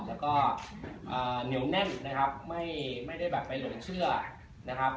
แล้วก็เหนียวแน่นนะครับไม่ได้แบบไปหลงเชื่อนะครับ